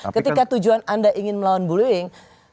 ketika tujuan anda ingin melawan bullying